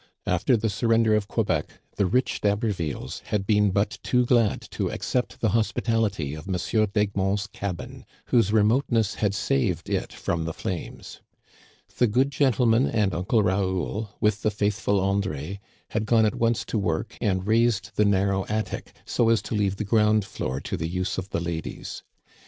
After the surrender of Quebec, the rich D'Habervilles had been but too glad to accept the hos pitality of M. d'Egmont's cabin, whose remoteness had saved it from the flames. The good gentleman " and Uncle Raoul, with the faithful André, had gone at once to work and raised the narrow attic, so as to leave the ground floor to the use of the ladies.